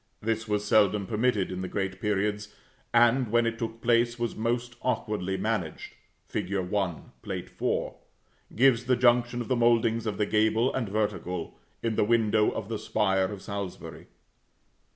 This was seldom permitted in the great periods, and, when it took place, was most awkwardly managed. Fig. 1, Plate IV. gives the junction of the mouldings of the gable and vertical, in the window of the spire of Salisbury.